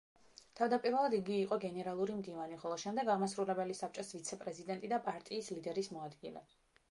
თავდაპირველად იგი იყო გენერალური მდივანი, ხოლო შემდეგ აღმასრულებელი საბჭოს ვიცე-პრეზიდენტი და პარტიის ლიდერის მოადგილე.